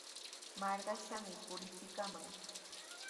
Marqashqami purichikamaq.